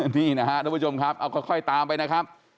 นี่นะครับทุกผู้ชมครับเอาค่อยตามไปนะครับ